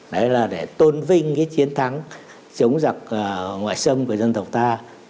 đấy là để tôn vinh cái chiến thắng chống giặc ngoại xâm của dân tộc ta